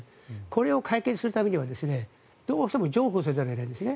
これを解決するためにはどうしても譲歩せざるを得ないんです。